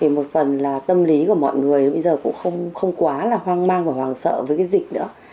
một phần là tâm lý của mọi người bây giờ cũng không quá là hoang mang và hoàng sợ với dịch nữa